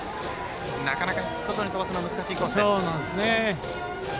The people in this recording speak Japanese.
なかなかヒットゾーンに飛ばすのは難しいコースです。